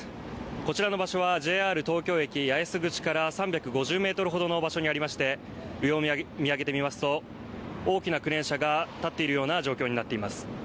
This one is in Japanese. こちらの場所はＪＲ東京駅八重洲口から３５０ｍほどの場所にありまして、上を見上げてみますと、大きなクレーン車が立っている状況です。